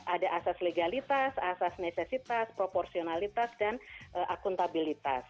ada asas legalitas asas necesitas proporsionalitas dan akuntabilitas